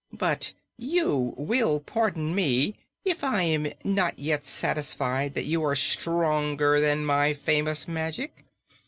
"But you will pardon me if I am not yet satisfied that you are stronger than my famous magic.